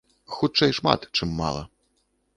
Хутчэй шмат, чым мала.